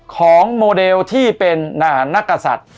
ของโมเดลที่เป็นนักกษัตริย์